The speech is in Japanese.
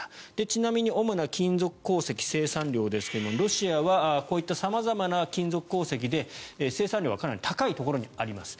ちなみに主な金属鉱石の生産量ですがロシアはこういった様々な金属鉱石で生産量はかなり高いところにあります。